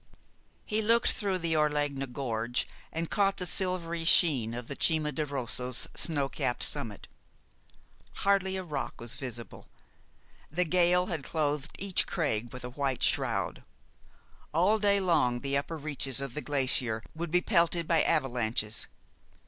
He looked through the Orlegna gorge, and caught the silvery sheen of the Cima di Rosso's snow capped summit. Hardly a rock was visible. The gale had clothed each crag with a white shroud. All day long the upper reaches of the glacier would be pelted by avalanches.